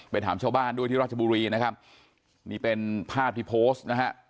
ถามชาวบ้านด้วยที่ราชบุรีนะครับนี่เป็นภาพที่โพสต์นะฮะ